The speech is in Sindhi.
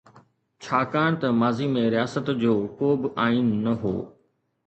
ڇاڪاڻ ته ماضي ۾ رياست جو ڪوبه آئين نه هو.